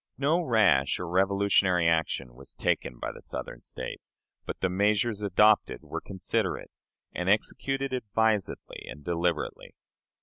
No rash or revolutionary action was taken by the Southern States, but the measures adopted were considerate, and executed advisedly and deliberately.